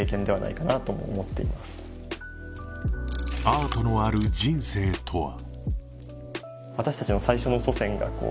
アートのある人生とは？